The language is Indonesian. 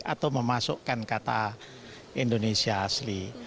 atau memasukkan kata indonesia asli